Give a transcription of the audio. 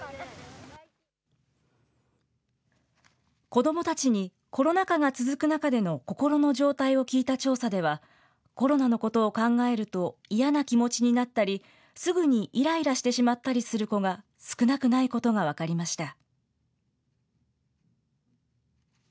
子どもたちに、コロナ禍が続く中での心の状態を聞いた調査では、コロナのことを考えると嫌な気持ちになったり、すぐにいらいらしてしまったりする子が少なくないことが分かりました。